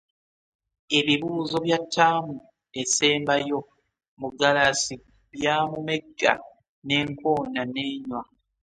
Ebibuuzo bya ttaamu esembayo Mugalaasi byamumegga n'enkoona n'enywa.